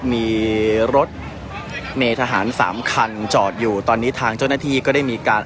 มีรถเมทหารสามคันจอดอยู่ตอนนี้ทางเจ้าหน้าที่ก็ได้มีการ